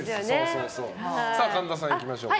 神田さん、いきましょうか。